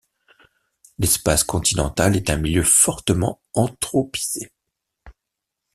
L'espace continental est un milieu fortement anthropisé.